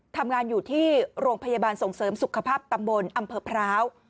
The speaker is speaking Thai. ทำงานอยู่ที่โรงพยาบาลส่งเสริมสุขภาพตำบลอำเภอพร้าว